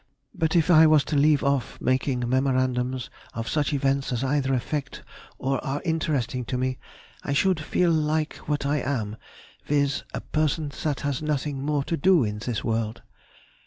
But if I was to leave off making memorandums of such events as either affect or are interesting to me, I should feel like what I am, viz., a person that has nothing more to do in this world.